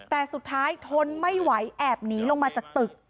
แต่สุดท้ายทนไม่ไหวแอบหนีลงมาจากตึก